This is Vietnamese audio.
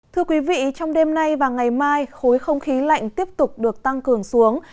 thưa quý vị trong đêm nay và ngày mai khối không khí lạnh tiếp tục được tăng cường xuống